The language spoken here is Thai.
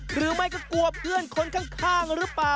หรือไม่ก็กลัวเพื่อนคนข้างหรือเปล่า